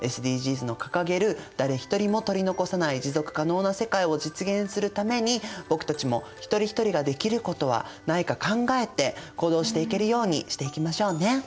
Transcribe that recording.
ＳＤＧｓの掲げる誰一人も取り残さない持続可能な世界を実現するために僕たちも一人一人ができることはないか考えて行動していけるようにしていきましょうね。